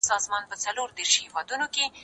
ته ولي ونې ته اوبه ورکوې.